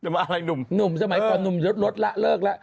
อ้าวนุ่มสมัยก่อนนุ่มลดละเลิกละ